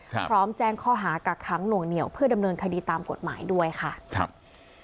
พร้อมแจ้งข้อหากักค้างหน่วงเหนียวเพื่อดำเนินคดีตามกฎหมายด้วยค่ะครับ